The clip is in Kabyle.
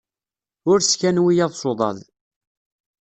Ur sskan wiyaḍ s uḍaḍ.